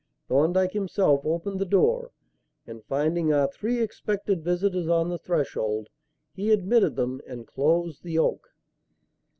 Thorndyke himself opened the door, and, finding our three expected visitors on the threshold, he admitted them and closed the "oak."